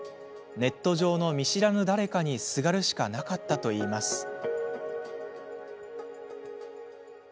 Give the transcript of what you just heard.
ネット上の見知らぬ誰かにすがるしかなかったといいます。